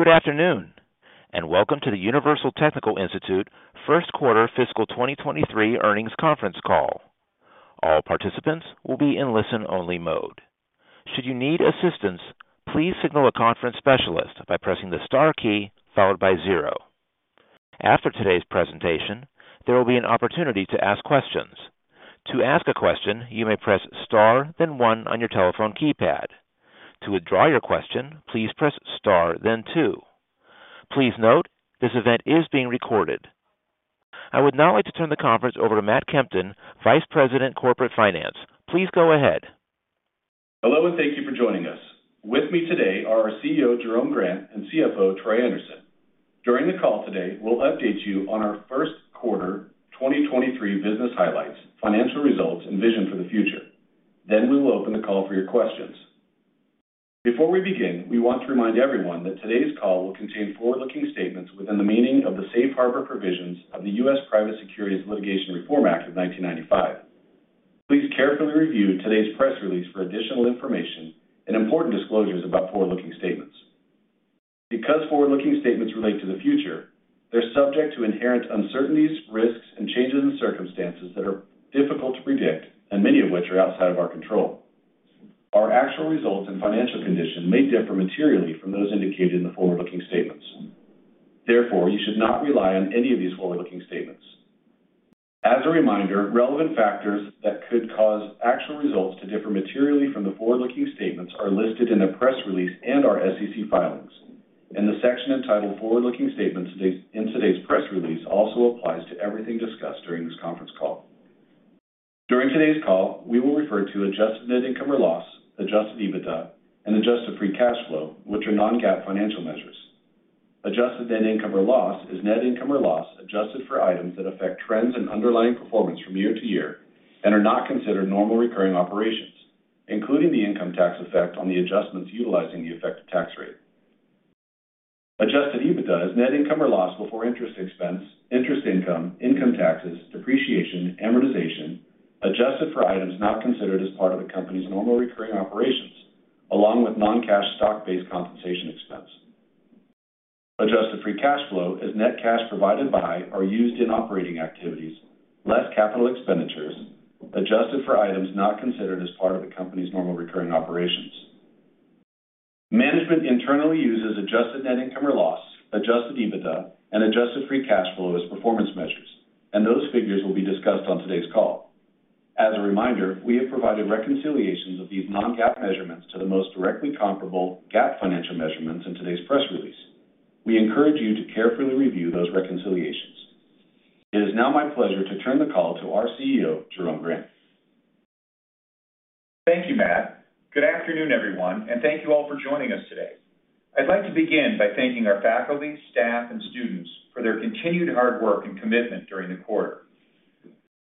Good afternoon, welcome to the Universal Technical Institute first quarter fiscal 2023 earnings conference call. All participants will be in listen-only mode. Should you need assistance, please signal a conference specialist by pressing the star key followed by zero. After today's presentation, there will be an opportunity to ask questions. To ask a question, you may press star then one on your telephone keypad. To withdraw your question, please press star then two. Please note, this event is being recorded. I would now like to turn the conference over to Matt Kempton, Vice President, Corporate Finance. Please go ahead. Hello, thank you for joining us. With me today are our CEO, Jerome Grant, and CFO, Troy Anderson. During the call today, we'll update you on our first quarter 2023 business highlights, financial results, and vision for the future. We will open the call for your questions. Before we begin, we want to remind everyone that today's call will contain forward-looking statements within the meaning of the Safe Harbor provisions of the U.S. Private Securities Litigation Reform Act of 1995. Please carefully review today's press release for additional information and important disclosures about forward-looking statements. Because forward-looking statements relate to the future, they're subject to inherent uncertainties, risks, and changes in circumstances that are difficult to predict, and many of which are outside of our control. Our actual results and financial condition may differ materially from those indicated in the forward-looking statements. Therefore, you should not rely on any of these forward-looking statements. As a reminder, relevant factors that could cause actual results to differ materially from the forward-looking statements are listed in the press release and our SEC filings, and the section entitled Forward-Looking Statements in today's press release also applies to everything discussed during this conference call. During today's call, we will refer to adjusted net income or loss, adjusted EBITDA, and adjusted free cash flow, which are non-GAAP financial measures. Adjusted net income or loss is net income or loss adjusted for items that affect trends and underlying performance from year to year and are not considered normal recurring operations, including the income tax effect on the adjustments utilizing the effective tax rate. Adjusted EBITDA is net income or loss before interest expense, interest income taxes, depreciation, amortization, adjusted for items not considered as part of the company's normal recurring operations, along with non-cash stock-based compensation expense. Adjusted free cash flow is net cash provided by or used in operating activities, less capital expenditures, adjusted for items not considered as part of the company's normal recurring operations. Management internally uses adjusted net income or loss, Adjusted EBITDA, and adjusted free cash flow as performance measures, and those figures will be discussed on today's call. As a reminder, we have provided reconciliations of these non-GAAP measurements to the most directly comparable GAAP financial measurements in today's press release. We encourage you to carefully review those reconciliations. It is now my pleasure to turn the call to our CEO, Jerome Grant. Thank you, Matt. Good afternoon, everyone, and thank you all for joining us today. I'd like to begin by thanking our faculty, staff, and students for their continued hard work and commitment during the quarter.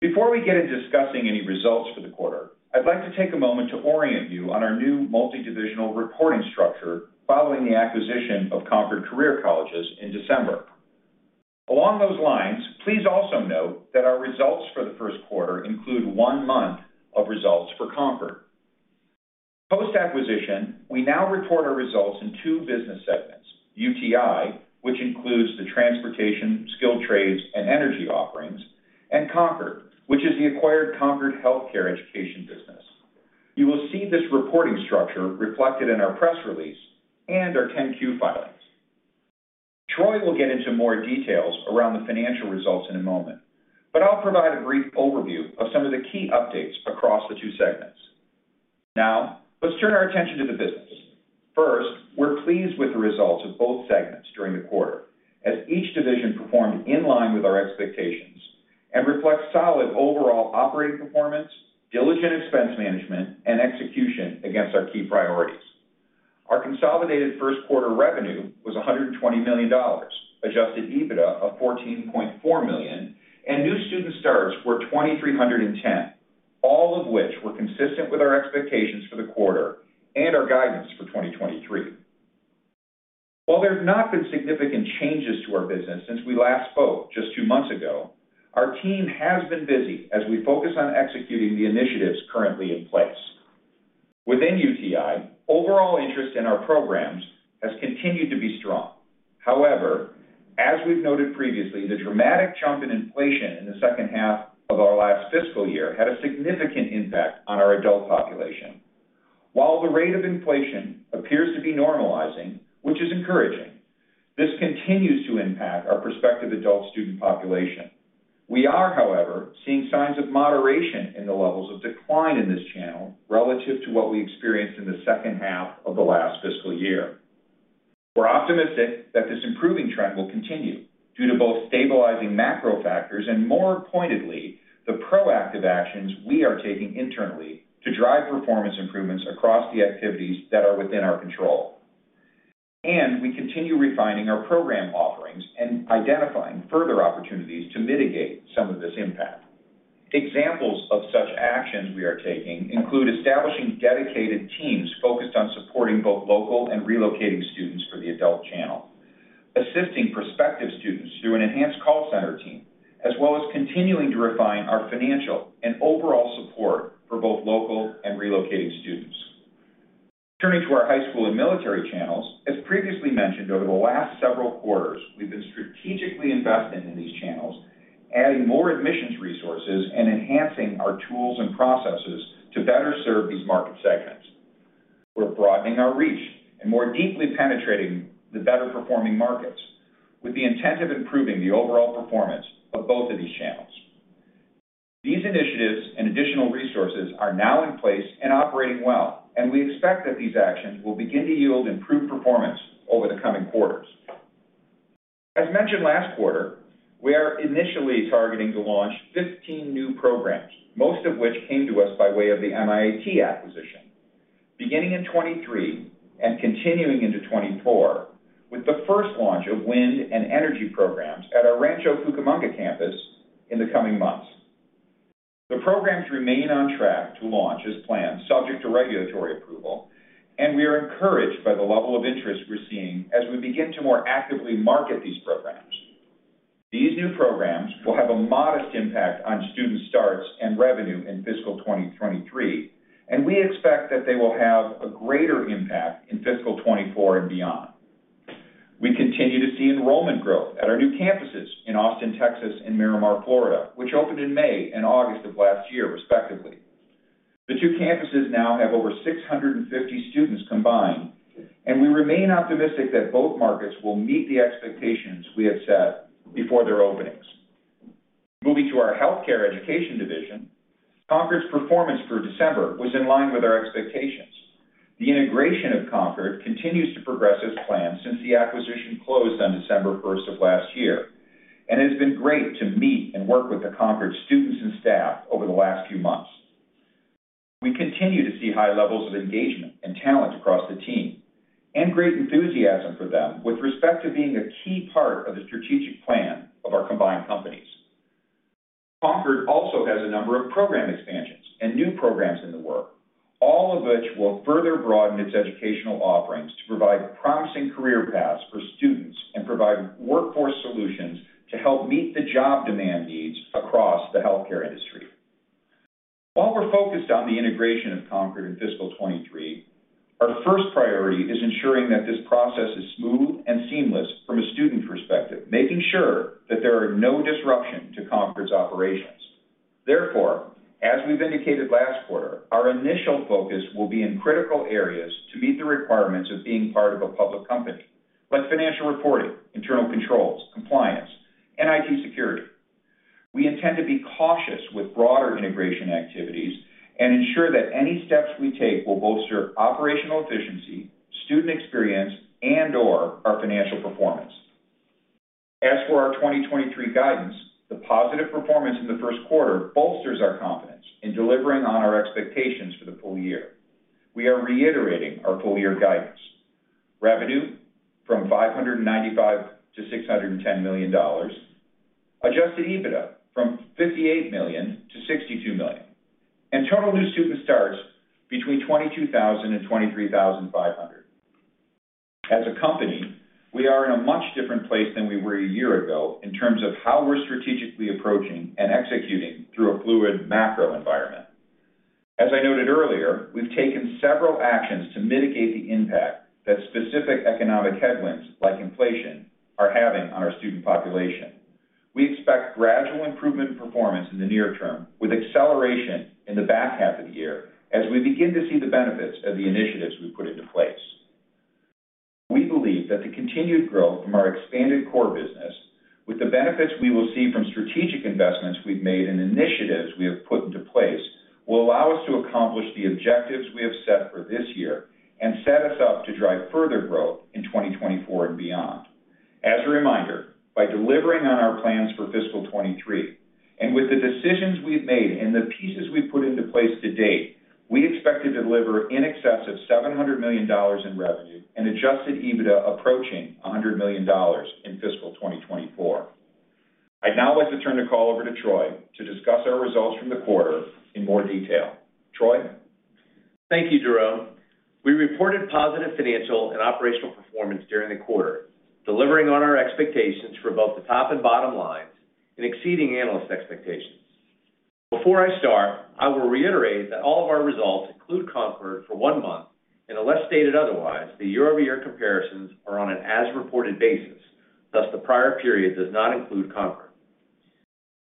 Before we get into discussing any results for the quarter, I'd like to take a moment to orient you on our new multidivisional reporting structure following the acquisition of Concorde Career Colleges in December. Along those lines, please also note that our results for the first quarter include one month of results for Concord. Post-acquisition, we now report our results in two business segments, UTI, which includes the transportation, skilled trades, and energy offerings, and Concord, which is the acquired Concord Healthcare Education business. You will see this reporting structure reflected in our press release and our 10-Q filings. Troy will get into more details around the financial results in a moment. I'll provide a brief overview of some of the key updates across the two segments. Let's turn our attention to the business. First, we're pleased with the results of both segments during the quarter, as each division performed in line with our expectations and reflects solid overall operating performance, diligent expense management, and execution against our key priorities. Our consolidated first quarter revenue was $120 million, Adjusted EBITDA of $14.4 million, and new student starts were 2,310, all of which were consistent with our expectations for the quarter and our guidance for 2023. While there have not been significant changes to our business since we last spoke just two months ago, our team has been busy as we focus on executing the initiatives currently in place. Within UTI, overall interest in our programs has continued to be strong. However, as we've noted previously, the dramatic jump in inflation in the second half of our last fiscal year had a significant impact on our adult population. While the rate of inflation appears to be normalizing, which is encouraging, this continues to impact our prospective adult student population. We are, however, seeing signs of moderation in the levels of decline in this channel relative to what we experienced in the second half of the last fiscal year. We're optimistic that this improving trend will continue due to both stabilizing macro factors and, more pointedly, the proactive actions we are taking internally to drive performance improvements across the activities that are within our control. We continue refining our program offerings and identifying further opportunities to mitigate some of this impact. Examples of such actions we are taking include establishing dedicated teams focused on supporting both local and relocating students for the adult channel. Assisting prospective students through an enhanced call center team, as well as continuing to refine our financial and overall support for both local and relocating students. Turning to our high school and military channels, as previously mentioned, over the last several quarters, we've been strategically investing in these channels, adding more admissions resources, and enhancing our tools and processes to better serve these market segments. We're broadening our reach and more deeply penetrating the better-performing markets with the intent of improving the overall performance of both of these channels. These initiatives and additional resources are now in place and operating well, and we expect that these actions will begin to yield improved performance over the coming quarters. As mentioned last quarter, we are initially targeting to launch 15 new programs, most of which came to us by way of the MIAT acquisition, beginning in 2023 and continuing into 2024, with the first launch of wind and energy programs at our Rancho Cucamonga campus in the coming months. The programs remain on track to launch as planned, subject to regulatory approval, and we are encouraged by the level of interest we're seeing as we begin to more actively market these programs. These new programs will have a modest impact on student starts and revenue in fiscal 2023. We expect that they will have a greater impact in fiscal 2024 and beyond. We continue to see enrollment growth at our new campuses in Austin, Texas, and Miramar, Florida, which opened in May and August of last year, respectively. The two campuses now have over 650 students combined. We remain optimistic that both markets will meet the expectations we have set before their openings. Moving to our healthcare education division, Concorde's performance through December was in line with our expectations. The integration of Concorde continues to progress as planned since the acquisition closed on December first of last year. It has been great to meet and work with the Concorde students and staff over the last few months. We continue to see high levels of engagement and talent across the team and great enthusiasm for them with respect to being a key part of the strategic plan of our combined companies. Concorde also has a number of program expansions and new programs in the work, all of which will further broaden its educational offerings to provide promising career paths for students and provide workforce solutions to help meet the job demand needs across the healthcare industry. While we're focused on the integration of Concorde in fiscal 2023, our first priority is ensuring that this process is smooth and seamless from a student perspective, making sure that there are no disruption to Concorde's operations. As we've indicated last quarter, our initial focus will be in critical areas to meet the requirements of being part of a public company, like financial reporting, internal controls, compliance, and IT security. We intend to be cautious with broader integration activities and ensure that any steps we take will both serve operational efficiency, student experience, and/or our financial performance. As for our 2023 guidance, the positive performance in the first quarter bolsters our confidence in delivering on our expectations for the full year. We are reiterating our full-year guidance: revenue from $595 million-$610 million, Adjusted EBITDA from $58 million-$62 million, and total new student starts between 22,000 and 23,500. As a company, we are in a much different place than we were a year ago in terms of how we're strategically approaching and executing through a fluid macro environment. As I noted earlier, we've taken several actions to mitigate the impact that specific economic headwinds, like inflation, are having on our student population. We expect gradual improvement in performance in the near term, with acceleration in the back half of the year as we begin to see the benefits of the initiatives we put into place. We believe that the continued growth from our expanded core business with the benefits we will see from strategic investments we've made and initiatives we have put into place, will allow us to accomplish the objectives we have set for this year and set us up to drive further growth in 2024 and beyond. As a reminder, by delivering on our plans for fiscal 2023 and with the decisions we've made and the pieces we've put into place to date, we expect to deliver in excess of $700 million in revenue and Adjusted EBITDA approaching $100 million in fiscal 2024. I'd now like to turn the call over to Troy to discuss our results from the quarter in more detail. Troy? Thank you, Jerome. We reported positive financial and operational performance during the quarter, delivering on our expectations for both the top and bottom lines and exceeding analyst expectations. Before I start, I will reiterate that all of our results include Concorde for one month, and unless stated otherwise, the year-over-year comparisons are on an as-reported basis, thus the prior period does not include Concorde.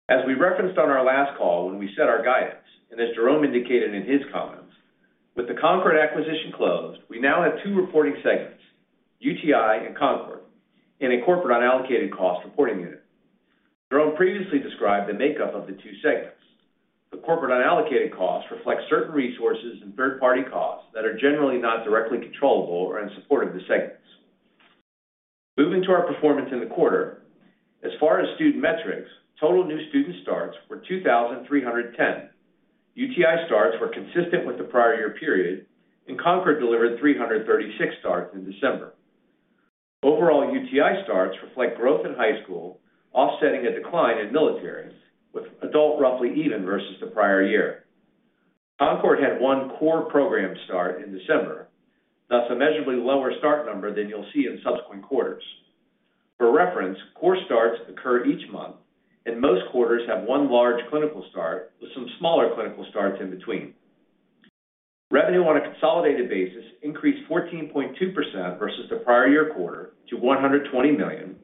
As we referenced on our last call when we set our guidance, and as Jerome indicated in his comments, with the Concorde acquisition closed, we now have two reporting segments, UTI and Concorde, and a corporate unallocated cost reporting unit. Jerome previously described the makeup of the two segments. The corporate unallocated costs reflect certain resources and third-party costs that are generally not directly controllable or in support of the segments. Moving to our performance in the quarter. As far as student metrics, total new student starts were 2,310. UTI starts were consistent with the prior year period. Concorde delivered 336 starts in December. Overall UTI starts reflect growth in high school, offsetting a decline in military, with adult roughly even versus the prior year. Concorde had one core program start in December, thus a measurably lower start number than you'll see in subsequent quarters. For reference, core starts occur each month. Most quarters have one large clinical start with some smaller clinical starts in between. Revenue on a consolidated basis increased 14.2% versus the prior year quarter to $120 million,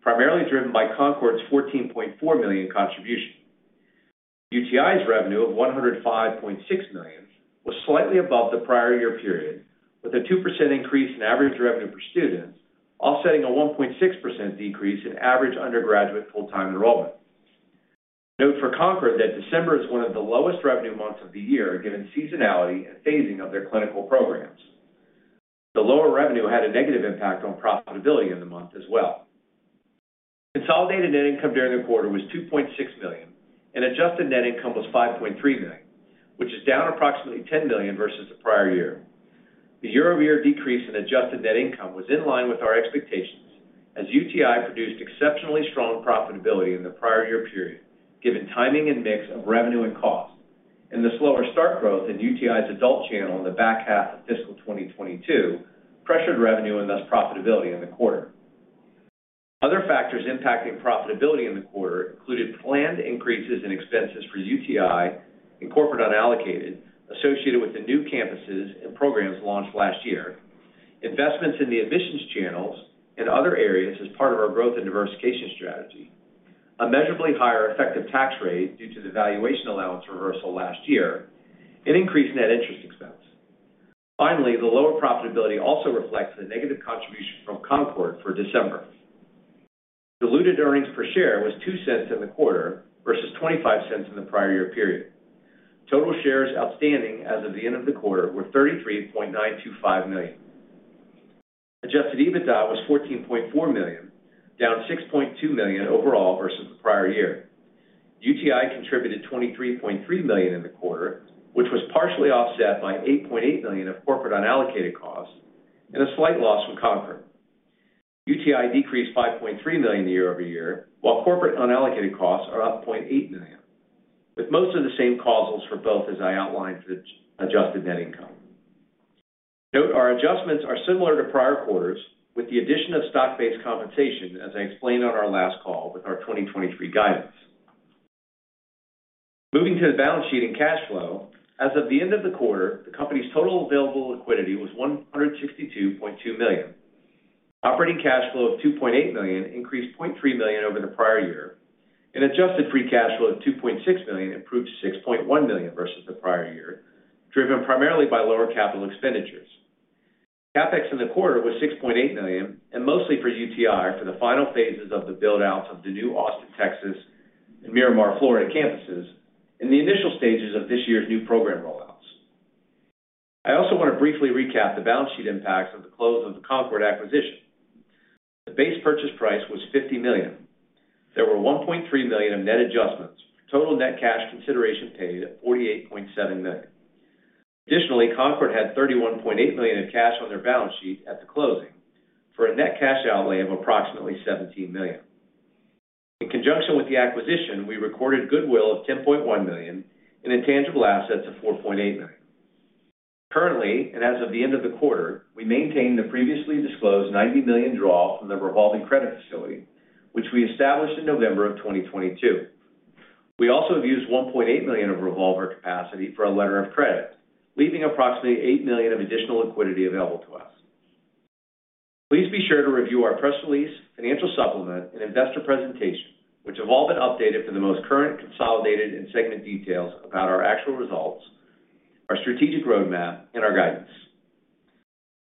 primarily driven by Concorde's $14.4 million contribution. UTI's revenue of $105.6 million was slightly above the prior year period, with a 2% increase in average revenue per student, offsetting a 1.6% decrease in average undergraduate full-time enrollment. Note for Concorde that December is one of the lowest revenue months of the year, given seasonality and phasing of their clinical programs. The lower revenue had a negative impact on profitability in the month as well. Consolidated net income during the quarter was $2.6 million, and Adjusted net income was $5.3 million, which is down approximately $10 million versus the prior year. The year-over-year decrease in Adjusted net income was in line with our expectations, as UTI produced exceptionally strong profitability in the prior year period, given timing and mix of revenue and cost, and the slower start growth in UTI's adult channel in the back half of fiscal 2022 pressured revenue and thus profitability in the quarter. Other factors impacting profitability in the quarter included planned increases in expenses for UTI and corporate unallocated associated with the new campuses and programs launched last year, investments in the admissions channels and other areas as part of our growth and diversification strategy, a measurably higher effective tax rate due to the valuation allowance reversal last year, and increased net interest expense. Finally, the lower profitability also reflects the negative contribution from Concorde for December. Diluted earnings per share was $0.02 in the quarter versus $0.25 in the prior year period. Total shares outstanding as of the end of the quarter were 33.925 million. Adjusted EBITDA was $14.4 million, down $6.2 million overall versus the prior year. UTI contributed $23.3 million in the quarter, which was partially offset by $8.8 million of corporate unallocated costs and a slight loss from Concorde. UTI decreased $5.3 million year-over-year, while corporate unallocated costs are up $0.8 million, with most of the same causals for both as I outlined for the Adjusted net income. Note our adjustments are similar to prior quarters, with the addition of stock-based compensation, as I explained on our last call with our 2023 guidance. Moving to the balance sheet and cash flow, as of the end of the quarter, the company's total available liquidity was $162.2 million. Operating cash flow of $2.8 million increased $0.3 million over the prior year, and Adjusted free cash flow of $2.6 million improved $6.1 million versus the prior year, driven primarily by lower capital expenditures. CapEx in the quarter was $6.8 million and mostly for UTI for the final phases of the build-outs of the new Austin, Texas, and Miramar, Florida, campuses and the initial stages of this year's new program rollouts. I also want to briefly recap the balance sheet impacts of the close of the Concorde acquisition. The base purchase price was $50 million. There were $1.3 million of net adjustments for total net cash consideration paid at $48.7 million. Additionally, Concorde had $31.8 million in cash on their balance sheet at the closing for a net cash outlay of approximately $17 million. In conjunction with the acquisition, we recorded goodwill of $10.1 million and intangible assets of $4.8 million. Currently, and as of the end of the quarter, we maintain the previously disclosed $90 million draw from the revolving credit facility, which we established in November 2022. We also have used $1.8 million of revolver capacity for a letter of credit, leaving approximately $8 million of additional liquidity available to us. Please be sure to review our press release, financial supplement, and investor presentation, which have all been updated for the most current consolidated and segment details about our actual results, our strategic roadmap, and our guidance.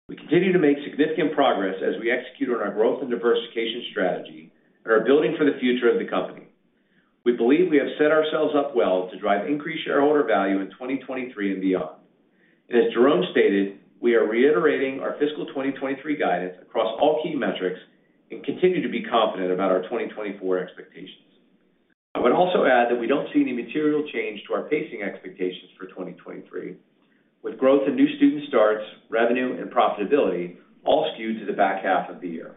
We continue to make significant progress as we execute on our growth and diversification strategy and are building for the future of the company. We believe we have set ourselves up well to drive increased shareholder value in 2023 and beyond. As Jerome stated, we are reiterating our fiscal 2023 guidance across all key metrics and continue to be confident about our 2024 expectations. I would also add that we don't see any material change to our pacing expectations for 2023, with growth in new student starts, revenue, and profitability all skewed to the back half of the year.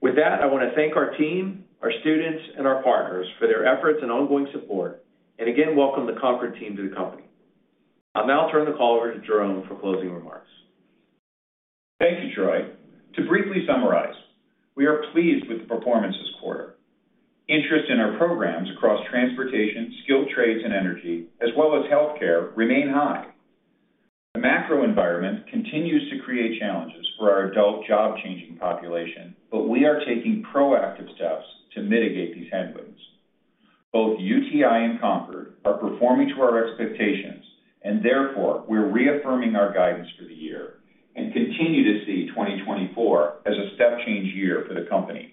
With that, I want to thank our team, our students, and our partners for their efforts and ongoing support, and again, welcome the Concorde team to the company. I'll now turn the call over to Jerome for closing remarks. Thank you, Troy. To briefly summarize, we are pleased with the performance this quarter. Interest in our programs across transportation, skilled trades, and energy, as well as healthcare remain high. The macro environment continues to create challenges for our adult job-changing population, but we are taking proactive steps to mitigate these headwinds. Both UTI and Concorde are performing to our expectations, and therefore, we're reaffirming our guidance for the year and continue to see 2024 as a step change year for the company.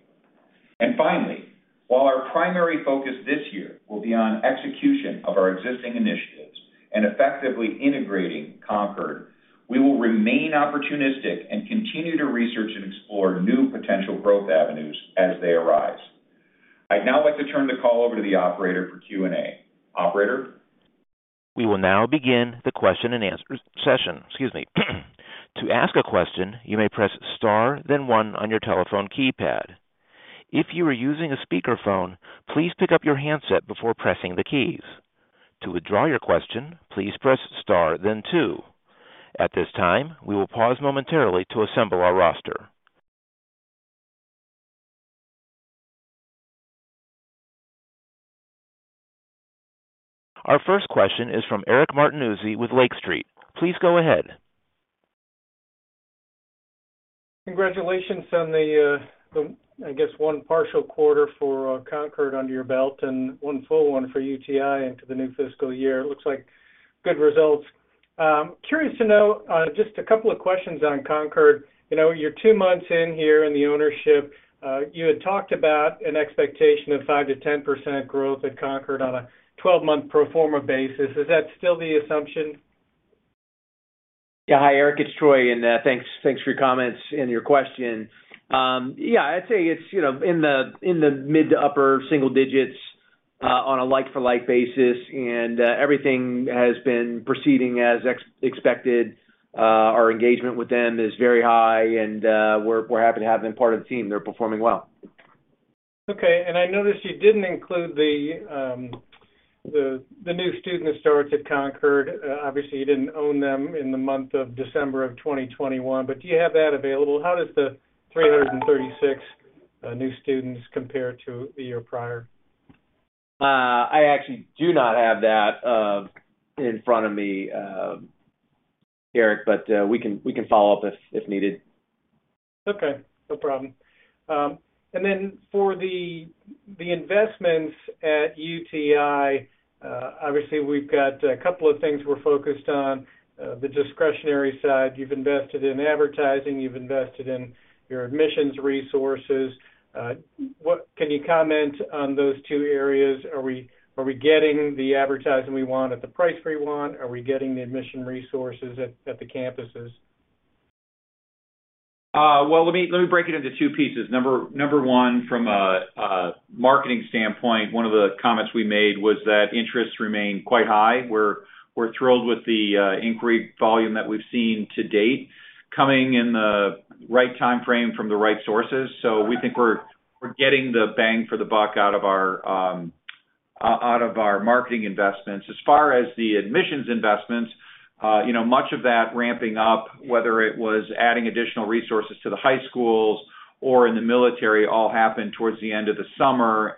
Finally, while our primary focus this year will be on execution of our existing initiatives and effectively integrating Concorde, we will remain opportunistic and continue to research and explore new potential growth avenues as they arise. I'd now like to turn the call over to the operator for Q&A. Operator? We will now begin the question and answer session. Excuse me. To ask a question, you may press star, then one on your telephone keypad. If you are using a speakerphone, please pick up your handset before pressing the keys. To withdraw your question, please press star then two. At this time, we will pause momentarily to assemble our roster. Our first question is from Eric Martinuzzi with Lake Street. Please go ahead. Congratulations on the, I guess, one partial quarter for Concorde under your belt and one full one for UTI into the new fiscal year. It looks like good results. Curious to know, just a couple of questions on Concorde. You know, you're two months in here in the ownership. You had talked about an expectation of 5%-10% growth at Concorde on a 12-month pro forma basis. Is that still the assumption? Yeah. Hi, Eric. It's Troy. Thanks for your comments and your question. Yeah, I'd say it's, you know, in the mid to upper single digits on a like-for-like basis. Everything has been proceeding as expected. Our engagement with them is very high. We're happy to have them part of the team. They're performing well. Okay. I noticed you didn't include the new student starts at Concorde. Obviously, you didn't own them in the month of December of 2021, do you have that available? How does the 336 new students compare to the year prior? I actually do not have that in front of me, Eric, but we can follow up if needed. Okay. No problem. For the investments at UTI, obviously we've got a couple of things we're focused on. The discretionary side, you've invested in advertising, you've invested in your admissions resources. Can you comment on those two areas? Are we getting the advertising we want at the price we want? Are we getting the admission resources at the campuses? Well, let me break it into two pieces. Number one, from a marketing standpoint, one of the comments we made was that interest remained quite high. We're thrilled with the inquiry volume that we've seen to date coming in the right timeframe from the right sources. We think we're getting the bang for the buck out of our marketing investments. As far as the admissions investments, you know, much of that ramping up, whether it was adding additional resources to the high schools or in the military, all happened towards the end of the summer.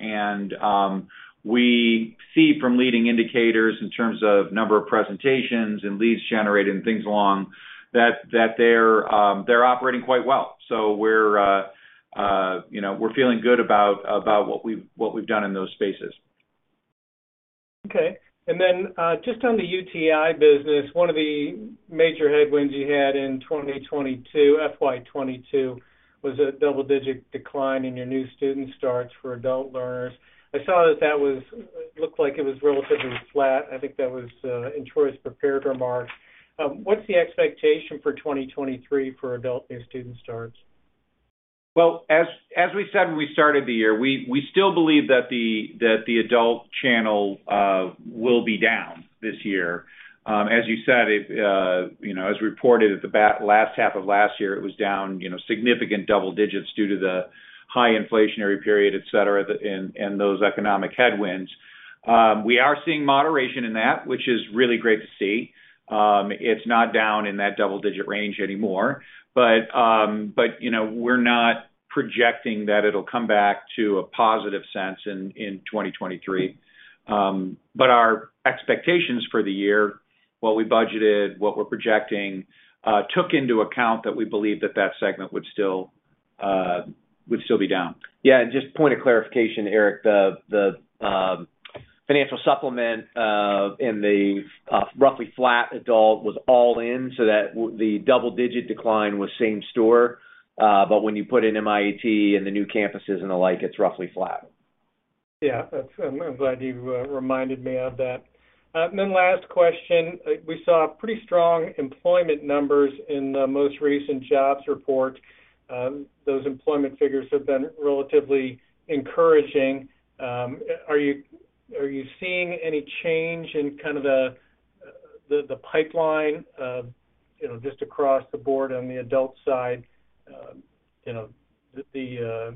We see from leading indicators in terms of number of presentations and leads generated and things along that they're operating quite well. We're, you know, we're feeling good about what we've done in those spaces. Okay. Just on the UTI business, one of the major headwinds you had in 2022, FY22, was a double-digit decline in your new student starts for adult learners. It looked like it was relatively flat. I think that was in Troy's prepared remarks. What's the expectation for 2023 for adult new student starts? As we said when we started the year, we still believe that the adult channel will be down this year. As you said, you know, as reported at the last half of last year, it was down, you know, significant double digits due to the high inflationary period, et cetera, and those economic headwinds. We are seeing moderation in that, which is really great to see. It's not down in that double-digit range anymore. You know, we're not projecting that it'll come back to a positive sense in 2023. Our expectations for the year, what we budgeted, what we're projecting, took into account that we believe that segment would still be down. Just point of clarification, Eric. The financial supplement in the roughly flat adult was all in, so that the double-digit decline was same store. When you put in MIAT and the new campuses and the like, it's roughly flat. Yeah. That's I'm glad you reminded me of that. Then last question. We saw pretty strong employment numbers in the most recent jobs report. Those employment figures have been relatively encouraging. Are you seeing any change in kind of the pipeline, you know, just across the board on the adult side? You know, the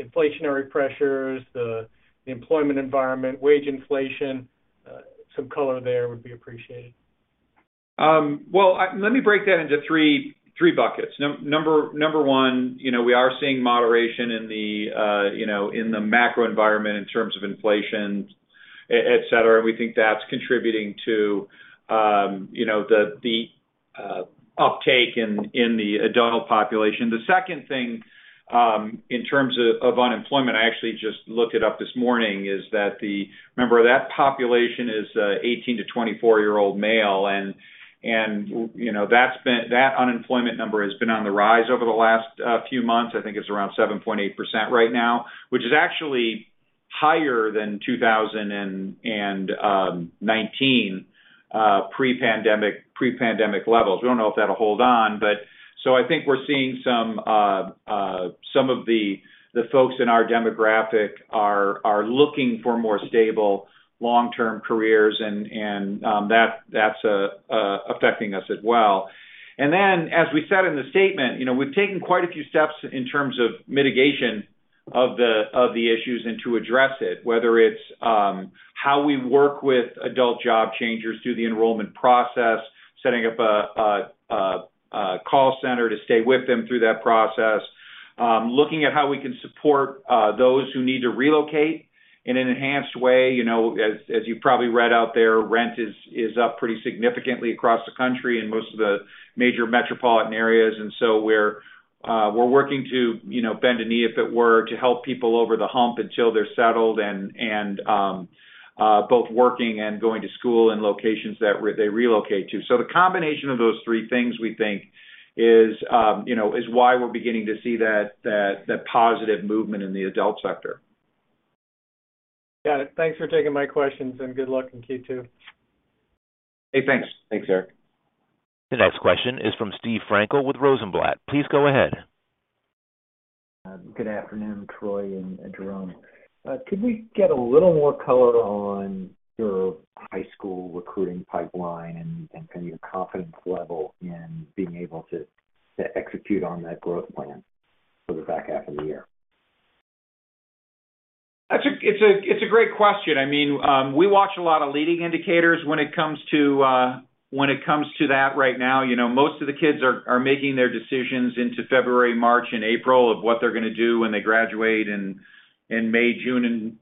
inflationary pressures, the employment environment, wage inflation. Some color there would be appreciated. Well, Let me break that into three buckets. Number one, you know, we are seeing moderation in the, you know, in the macro environment in terms of inflation, et cetera. We think that's contributing to, you know, the uptake in the adult population. The second thing, in terms of unemployment, I actually just looked it up this morning, is that the... Remember, that population is 18 to 24-year-old male. You know, that's been that unemployment number has been on the rise over the last few months. I think it's around 7.8% right now, which is actually higher than 2019 pre-pandemic levels. We don't know if that'll hold on, but... I think we're seeing some of the folks in our demographic are looking for more stable long-term careers, and that's affecting us as well. As we said in the statement, you know, we've taken quite a few steps in terms of mitigation of the issues and to address it, whether it's how we work with adult job changers through the enrollment process, setting up a call center to stay with them through that process, looking at how we can support those who need to relocate in an enhanced way. You know, as you probably read out there, rent is up pretty significantly across the country in most of the major metropolitan areas. We're working to, you know, bend a knee, if it were, to help people over the hump until they're settled and both working and going to school in locations that they relocate to. The combination of those three things, we think is, you know, is why we're beginning to see that positive movement in the adult sector. Got it. Thanks for taking my questions, and good luck in Q2. Hey, thanks. Thanks, Eric. The next question is from Steve Frankel with Rosenblatt. Please go ahead. Good afternoon, Troy and Jerome. Could we get a little more color on your high school recruiting pipeline and kind of your confidence level in being able to execute on that growth plan for the back half of the year? It's a great question. I mean, we watch a lot of leading indicators when it comes to, when it comes to that right now. You know, most of the kids are making their decisions into February, March and April of what they're gonna do when they graduate in May, June and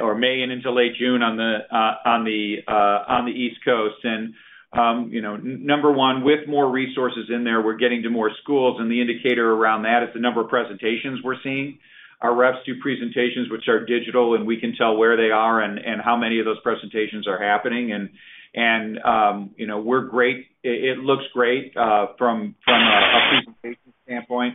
or May and into late June on the East Coast. You know, number one, with more resources in there, we're getting to more schools, and the indicator around that is the number of presentations we're seeing. Our reps do presentations which are digital, and we can tell where they are and how many of those presentations are happening. You know, it looks great from a presentation standpoint.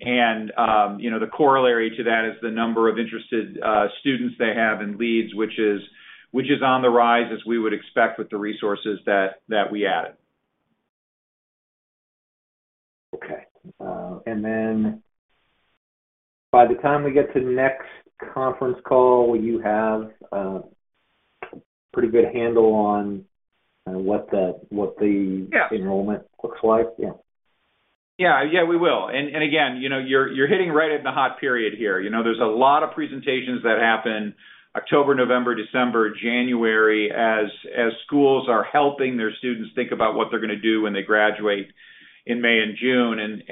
You know, the corollary to that is the number of interested students they have in leads, which is on the rise as we would expect with the resources that we added. Okay. Then by the time we get to next conference call, will you have a pretty good handle on? Yeah... what the enrollment looks like? Yeah. Yeah. Yeah, we will. Again, you know, you're hitting right at the hot period here. You know, there's a lot of presentations that happen October, November, December, January as schools are helping their students think about what they're gonna do when they graduate in May and June.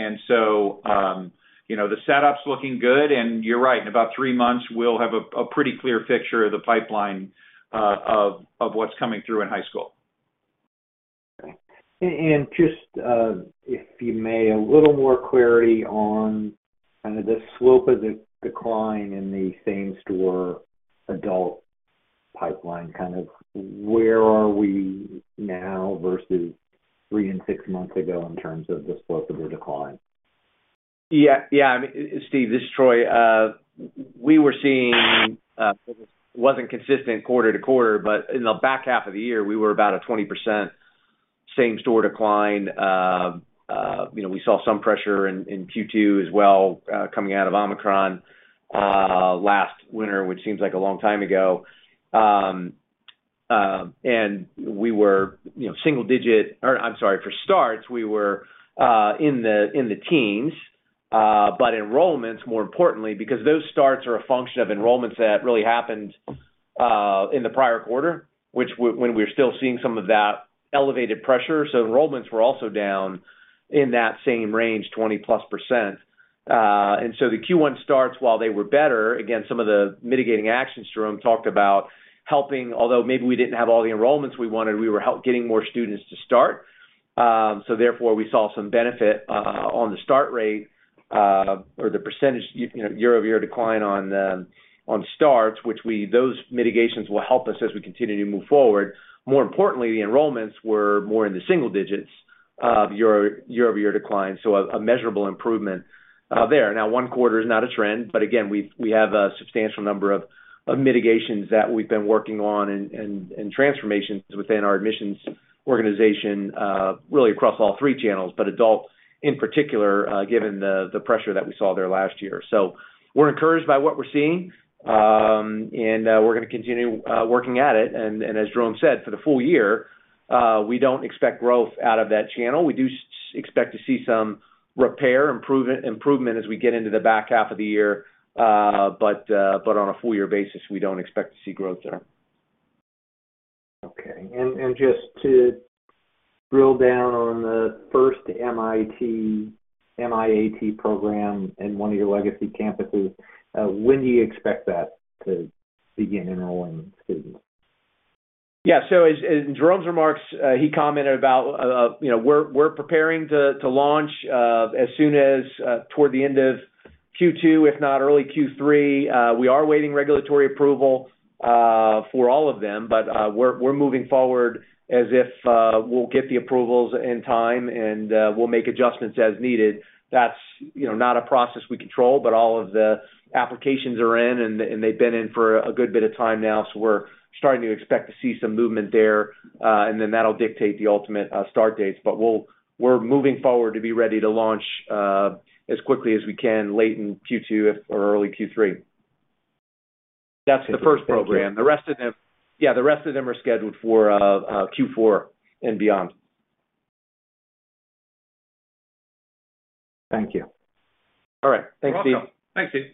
You know, the setup's looking good. You're right, in about three months we'll have a pretty clear picture of the pipeline of what's coming through in high school. Okay. Just, if you may, a little more clarity on kind of the slope of the decline in the same store adult pipeline, kind of where are we now versus three and six months ago in terms of the slope of the decline? Yeah. Yeah. I mean, Steve, this is Troy. We were seeing it wasn't consistent quarter-to-quarter, but in the back half of the year, we were about a 20% same-store decline. You know, we saw some pressure in Q2 as well, coming out of Omicron last winter, which seems like a long time ago. And we were, you know, in the teens. But enrollments, more importantly, because those starts are a function of enrollments that really happened in the prior quarter, which when we're still seeing some of that elevated pressure. Enrollments were also down in that same range, 20+%. The Q1 starts, while they were better, again, some of the mitigating actions Jerome talked about helping, although maybe we didn't have all the enrollments we wanted, we were getting more students to start. Therefore, we saw some benefit on the start rate, or the percentage you know, year-over-year decline on starts. Those mitigations will help us as we continue to move forward. More importantly, the enrollments were more in the single digits of year-over-year decline, so a measurable improvement there. One quarter is not a trend, but again, we have a substantial number of mitigations that we've been working on and transformations within our admissions organization, really across all three channels. Adult, in particular, given the pressure that we saw there last year. We're encouraged by what we're seeing, and we're gonna continue working at it. As Jerome said, for the full year, we don't expect growth out of that channel. We do expect to see some repair, improvement as we get into the back half of the year. On a full year basis, we don't expect to see growth there. Okay. just to drill down on the first MIAT program in one of your legacy campuses, when do you expect that to begin enrolling students? Yeah. As Jerome's remarks, he commented about, you know, we're preparing to launch as soon as toward the end of Q2, if not early Q3. We are awaiting regulatory approval for all of them, we're moving forward as if we'll get the approvals in time and we'll make adjustments as needed. That's, you know, not a process we control, all of the applications are in and they've been in for a good bit of time now, we're starting to expect to see some movement there. That'll dictate the ultimate start dates. We're moving forward to be ready to launch as quickly as we can late in Q2, if, or early Q3. That's the first program. The rest of them are scheduled for Q4 and beyond. Thank you. All right. Thanks, Steve. You're welcome. Thanks, Steve.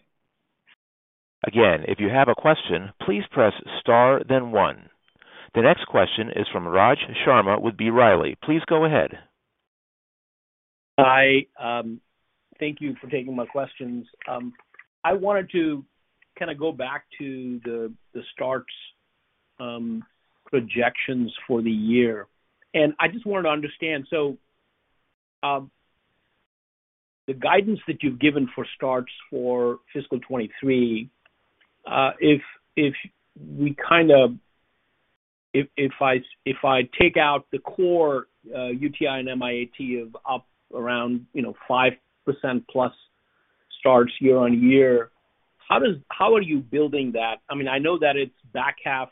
Again, if you have a question, please press Star, then one. The next question is from Raj Sharma with B. Riley. Please go ahead. Hi. Thank you for taking my questions. I wanted to kinda go back to the starts, projections for the year. I just wanted to understand. The guidance that you've given for starts for fiscal 2023, if I take out the core UTI and MIAT of up around, you know, 5% plus starts year-on-year, how are you building that? I mean, I know that it's back half,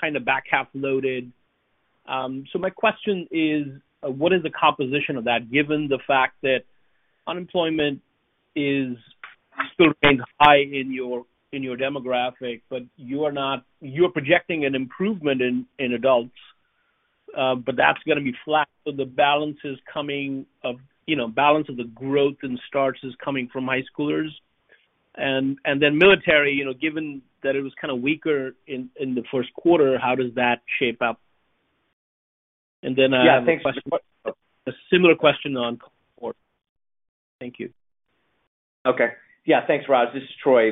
kinda back half loaded. My question is, what is the composition of that given the fact that unemployment is still staying high in your demographic, but you're projecting an improvement in adults, but that's gonna be flat, so the balance is coming, you know, balance of the growth and starts is coming from high schoolers. Then military, you know, given that it was kinda weaker in the first quarter, how does that shape up? Then. Yeah, thanks. A similar question on Concorde. Thank you. Okay. Yeah, thanks, Raj. This is Troy.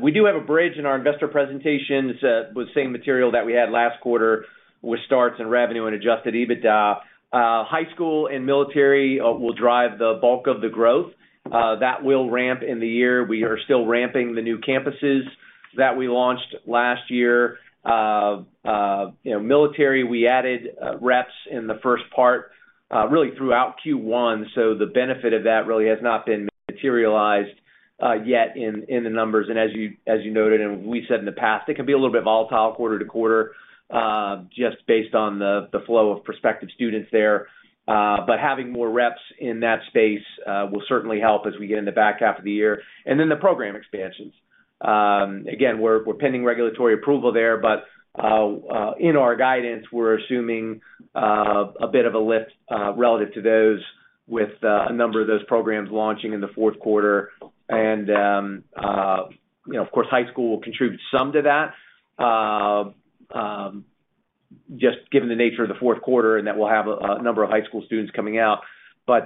We do have a bridge in our investor presentation. It's the same material that we had last quarter with starts and revenue and Adjusted EBITDA. High school and military will drive the bulk of the growth. That will ramp in the year. We are still ramping the new campuses that we launched last year. You know, military, we added reps in the first part, really throughout Q1, the benefit of that really has not been materialized yet in the numbers. As you noted, and we said in the past, it can be a little bit volatile quarter to quarter, just based on the flow of prospective students there. Having more reps in that space will certainly help as we get in the back half of the year. The program expansions. Again, we're pending regulatory approval there, in our guidance, we're assuming a bit of a lift relative to those with a number of those programs launching in the fourth quarter. You know, of course, high school will contribute some to that, just given the nature of the fourth quarter and that we'll have a number of high school students coming out. You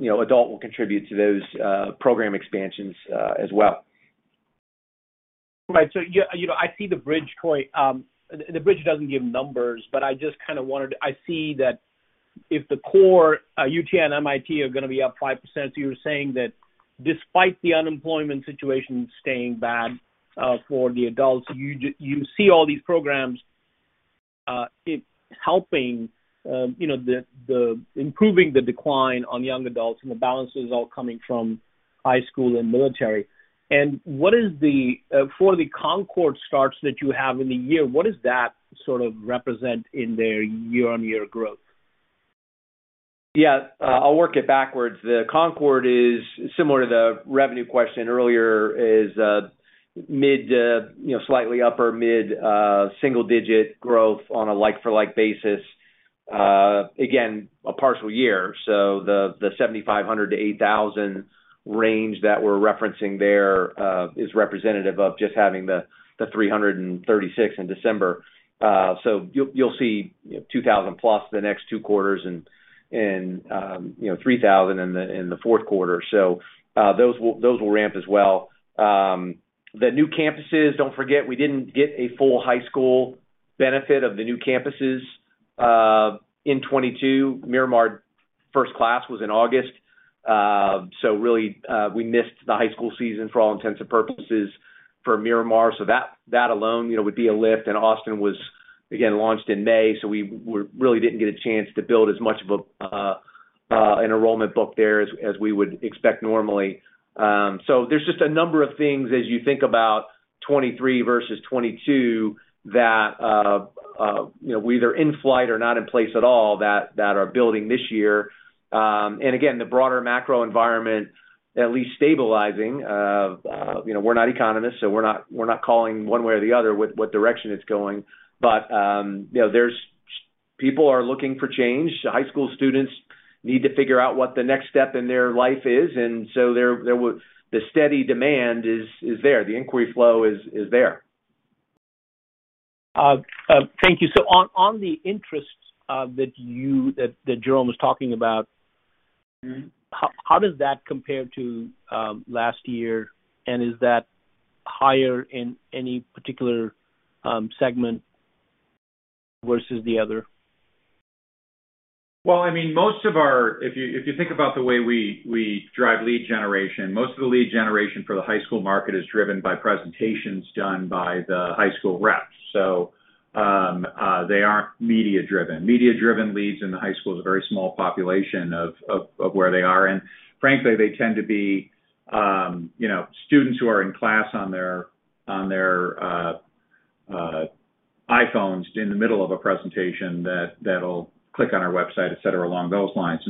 know, adult will contribute to those program expansions as well. Right. You know, I see the bridge, Troy. The, the bridge doesn't give numbers, but I just kinda wanted. I see that if the core, UTI and MIAT are gonna be up 5%, you're saying that despite the unemployment situation staying bad, for the adults, you see all these programs, it helping, you know, the improving the decline on young adults and the balance is all coming from high school and military. What is the, for the Concorde starts that you have in the year, what does that sort of represent in their year-on-year growth? Yeah. I'll work it backwards. The Concorde is similar to the revenue question earlier, is mid, you know, slightly upper mid, single digit growth on a like-for-like basis. Again, a partial year. The 7,500-8,000 range that we're referencing there is representative of just having the 336 in December. You'll see, you know, 2,000 plus the next two quarters and, you know, 3,000 in the fourth quarter. Those will ramp as well. The new campuses, don't forget, we didn't get a full high school benefit of the new campuses in 2022. Miramar first class was in August. Really, we missed the high school season for all intents and purposes for Miramar. That, that alone, you know, would be a lift. Austin was again launched in May, so we really didn't get a chance to build as much of an enrollment book there as we would expect normally. There's just a number of things as you think about 2023 versus 2022 that, you know, we either in flight or not in place at all that are building this year. Again, the broader macro environment at least stabilizing. You know, we're not economists, we're not, we're not calling one way or the other what direction it's going. You know, there's-- people are looking for change. High school students need to figure out what the next step in their life is. The steady demand is there. The inquiry flow is there. Thank you. On the interests that you that Jerome was talking about. Mm-hmm. how does that compare to last year? Is that higher in any particular segment versus the other? Well, I mean, most of our If you think about the way we drive lead generation, most of the lead generation for the high school market is driven by presentations done by the high school reps. They aren't media-driven. Media-driven leads in the high school is a very small population of where they are. Frankly, they tend to be, you know, students who are in class on their iPhones in the middle of a presentation that'll click on our website, et cetera, along those lines.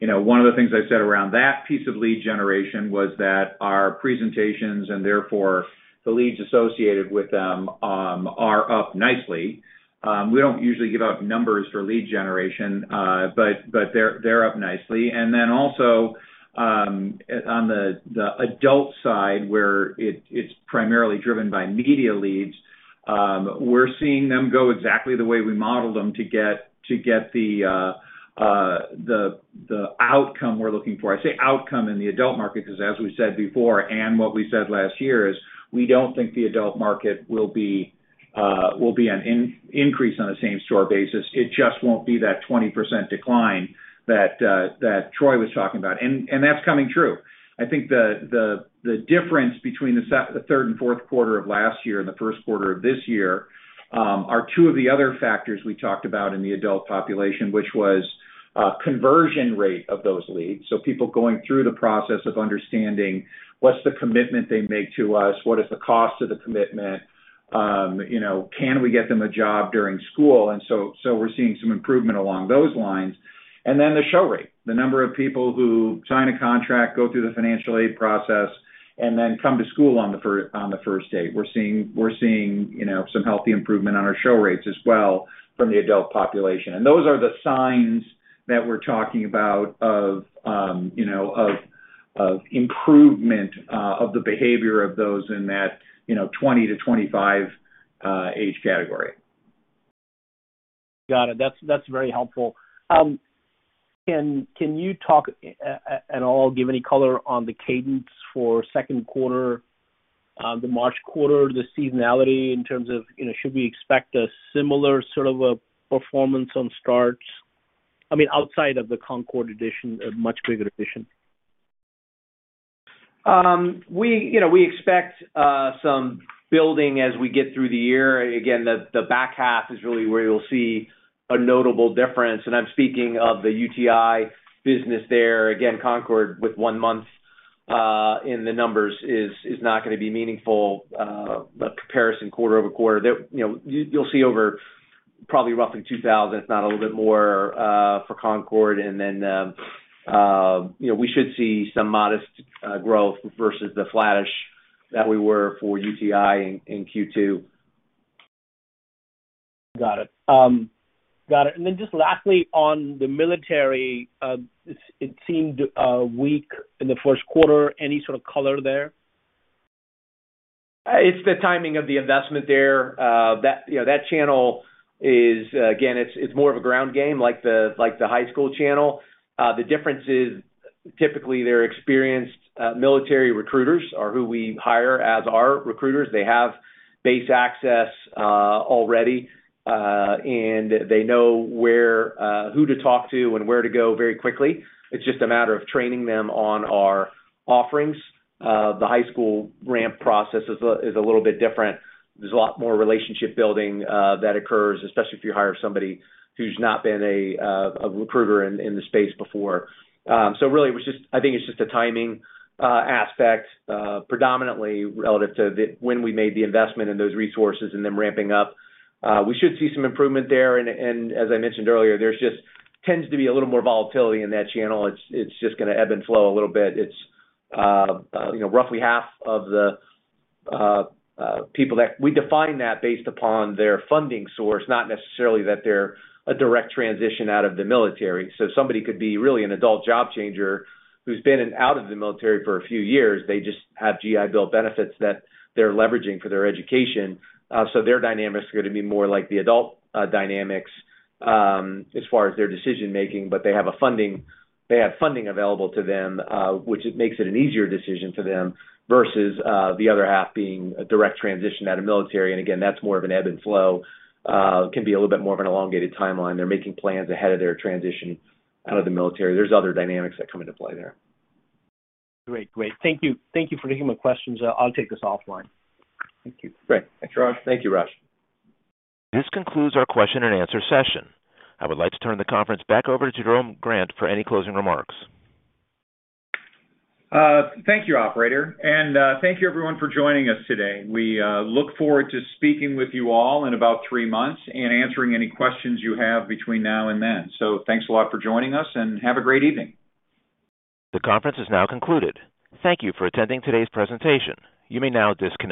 You know, one of the things I said around that piece of lead generation was that our presentations, and therefore the leads associated with them, are up nicely. We don't usually give out numbers for lead generation, but they're up nicely. Also, on the adult side, where it's primarily driven by media leads, we're seeing them go exactly the way we modeled them to get the outcome we're looking for. I say outcome in the adult market 'cause as we said before, and what we said last year is, we don't think the adult market will be an increase on a same-store basis. It just won't be that 20% decline that Troy was talking about, and that's coming true. I think the difference between the third and fourth quarter of last year and the first quarter of this year, are two of the other factors we talked about in the adult population, which was conversion rate of those leads. People going through the process of understanding what's the commitment they make to us? What is the cost of the commitment? you know, can we get them a job during school? We're seeing some improvement along those lines. Then the show rate, the number of people who sign a contract, go through the financial aid process, and then come to school on the first day. We're seeing, you know, some healthy improvement on our show rates as well from the adult population. Those are the signs that we're talking about of, you know, of improvement of the behavior of those in that, you know, 20-25 age category. Got it. That's very helpful. Can you talk at all, give any color on the cadence for second quarter, the March quarter, the seasonality in terms of, you know, should we expect a similar sort of a performance on starts? I mean, outside of the Concorde addition, a much bigger addition? We, you know, we expect some building as we get through the year. The back half is really where you'll see a notable difference, and I'm speaking of the UTI business there. Concorde, with one month in the numbers is not gonna be meaningful comparison quarter-over-quarter. There, you know, you'll see over probably roughly 2,000, if not a little bit more, for Concorde. Then, you know, we should see some modest growth versus the flattish that we were for UTI in Q2. Got it. Got it. Just lastly on the military, it seemed weak in the first quarter. Any sort of color there? It's the timing of the investment there. That, you know, that channel is again, it's more of a ground game like the, like the high school channel. The difference is typically they're experienced military recruiters are who we hire as our recruiters. They have base access already, and they know where who to talk to and where to go very quickly. It's just a matter of training them on our offerings. The high school ramp process is a little bit different. There's a lot more relationship building that occurs, especially if you hire somebody who's not been a recruiter in the space before. Really I think it's just a timing aspect predominantly relative to when we made the investment in those resources and them ramping up. We should see some improvement there, and as I mentioned earlier, there tends to be a little more volatility in that channel. It's just gonna ebb and flow a little bit. It's, you know, roughly half of the people that. We define that based upon their funding source, not necessarily that they're a direct transition out of the military. Somebody could be really an adult job changer who's been out of the military for a few years. They just have GI Bill benefits that they're leveraging for their education. Their dynamics are gonna be more like the adult dynamics as far as their decision-making, but they have funding available to them, which it makes it an easier decision for them, versus the other half being a direct transition out of military. Again, that's more of an ebb and flow. Can be a little bit more of an elongated timeline. They're making plans ahead of their transition out of the military. There's other dynamics that come into play there. Great. Thank you for taking my questions. I'll take this offline. Thank you. Great. Thanks, Raj. Thank you, Raj. This concludes our question and answer session. I would like to turn the conference back over to Jerome Grant for any closing remarks. Thank you, operator, and thank you everyone for joining us today. We look forward to speaking with you all in about three months and answering any questions you have between now and then. Thanks a lot for joining us, and have a great evening. The conference is now concluded. Thank you for attending today's presentation. You may now disconnect.